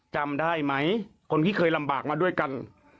จำได้ไหมคนที่เคยลำบากมาด้วยกัน